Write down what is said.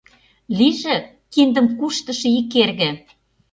«Лийже киндым куштышо ик эрге!» —